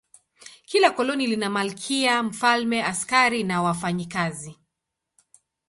Kila koloni lina malkia, mfalme, askari na wafanyakazi.